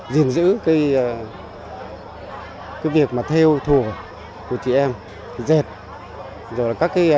giữ cái việc theo thùa của chị em dệt rồi các hình thức khác như thông qua các biểu diễn nghệ thuật như là các làn điệu dân ca dân vũ xây dựng cơ sở